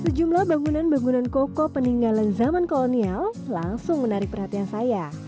sejumlah bangunan bangunan kokoh peninggalan zaman kolonial langsung menarik perhatian saya